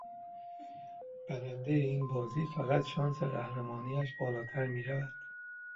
برنده این بازی فقط شانس قهرمانی اش بالاتر می رود.